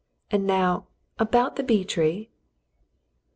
"And now about the bee tree.